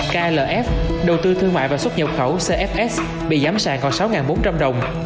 klf đầu tư thương mại và xuất nhập khẩu cfs bị giảm sàng còn sáu bốn trăm linh đồng